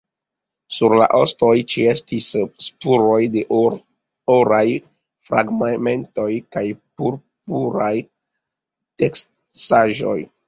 Sur la ostoj ĉeestis spuroj de oraj fragmentoj kaj purpura teksaĵo.